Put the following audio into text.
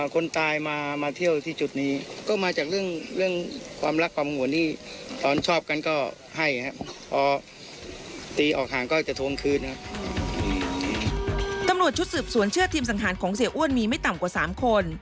ชุดสืบสวนเชื่อทีมสังหารของเสียอ้วนมีไม่ต่ำกว่า๓คน